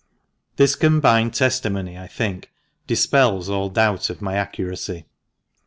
This combined testimony, I think, dispels all doubt of my accuracy.